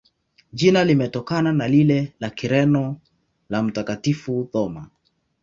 Jina limetokana na lile la Kireno la Mtakatifu Thoma.